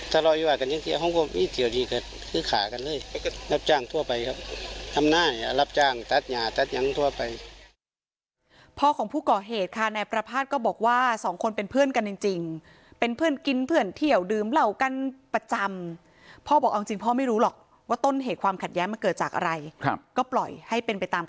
ทำหน้าอย่ารับจ้างตัดอย่าตัดอย่างทั่วไป